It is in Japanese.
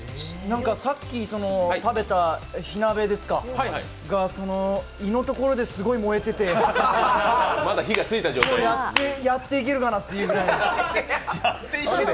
さっき食べた火鍋が胃のところですごい燃えててちょっとやっていけるかなっていうぐらい。